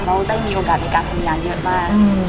เขาได้มีโอกาสในการทำงานเยอะมาก